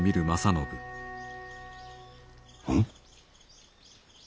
うん？